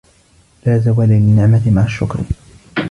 لَا زَوَالَ لِلنِّعْمَةِ مَعَ الشُّكْرِ